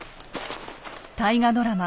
大河ドラマ